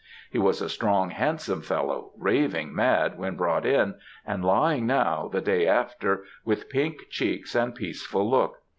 He was a strong, handsome fellow, raving mad when brought in, and lying now, the day after, with pink cheeks and peaceful look.